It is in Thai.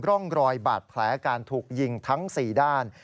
ร่องรอยบาดแผลการถูกยิงทั้ง๔ด้าน